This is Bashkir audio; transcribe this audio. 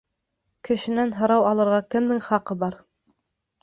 Кешенән һорау алырға кемдең хаҡы бар?